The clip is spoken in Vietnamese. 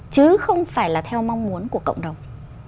chứ không phải là theo mong muốn của cộng đồng